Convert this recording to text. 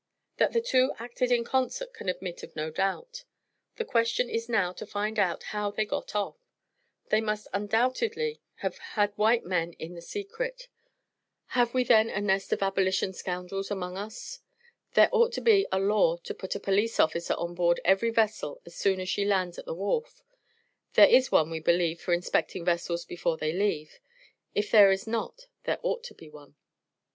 That the two acted in concert, can admit of no doubt. The question is now to find out how they got off. They must undoubtedly have had white men in the secret. Have we then a nest of Abolition scoundrels among us? There ought to be a law to put a police officer on board every vessel as soon as she lands at the wharf. There is one, we believe for inspecting vessels before they leave. If there is not there ought to be one.